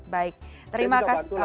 baik terima kasih